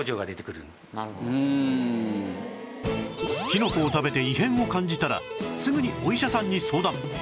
キノコを食べて異変を感じたらすぐにお医者さんに相談